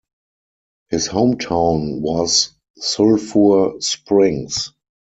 His home town was Sulphur Springs.